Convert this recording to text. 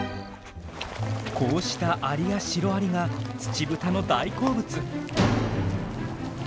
こうしたアリやシロアリがツチブタの大好物。